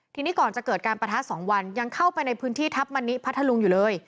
ทีนี้ก่อนจะเกิดการประทะ๒วันยังเข้าไปในพื้นที่ทัพมณิพัทธลุงอยู่เลย